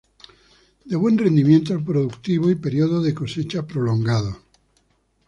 De buen rendimiento productivo y periodo de cosecha prolongado.